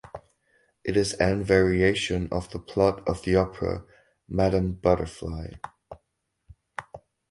It is an variation of the plot of the opera "Madame Butterfly".